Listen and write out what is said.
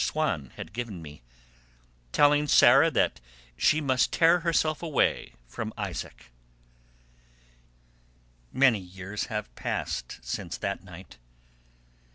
Swann had given me, telling Sarah that she must tear herself away from Isaac. Many years have passed since that night.